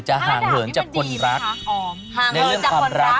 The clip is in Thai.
๕ดาบอันนี้มันดีนะคะ